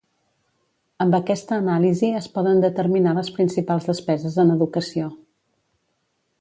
Amb aquesta anàlisi es poden determinar les principals despeses en educació.